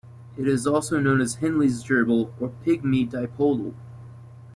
It is also known as Henley's gerbil or pygmy dipodil.